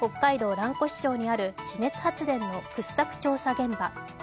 蘭越町にある地熱発電の掘削調査現場。